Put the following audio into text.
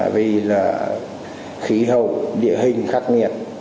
vì là khí hậu địa hình khắc nghiệt